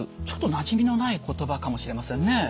ちょっとなじみのない言葉かもしれませんね。